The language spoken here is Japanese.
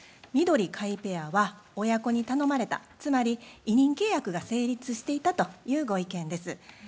みどり・甲斐ペアは親子に頼まれたつまり委任契約が成立していたというご意見です。